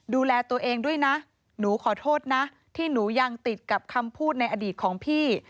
ดูแลตัวเองด้วยนะหนูขอโทษนะที่หนูยังติดกับคำพูดในอดีตของพี่